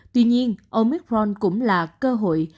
tuy nhiên omicron cũng là cơ hội